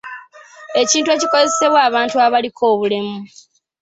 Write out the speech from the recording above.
Ekintu ekikozesebwa abantu abaliko obulemu.